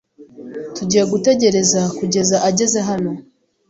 Tugiye gutegereza kugeza ageze hano.